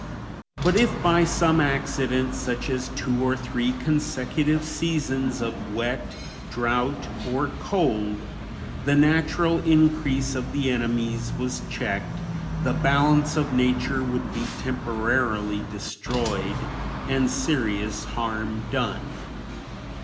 But if by some accident, such as two or three consecutive seasons of wet, drought, or cold, the natural increase of the enemies was checked, the balance of nature would be temporarily destroyed and serious harm done.